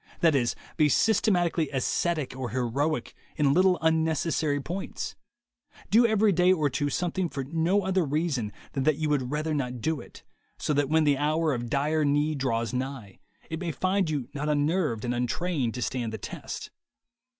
That is, be systematically ascetic or heroic in little unnecessary points, do every day or two something for no other reason than that you would rather not do it, so that when the hour of dire need draws nigh, it may find you not unnerved and untrained to stand the test.